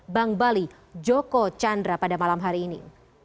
bank bali joko chandra pada malam hari ini